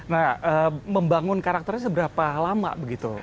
nah membangun karakternya seberapa lama begitu